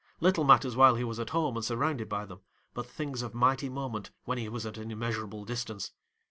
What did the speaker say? Little matters while he was at home and surrounded by them, but things of mighty moment when he was at an immeasurable distance.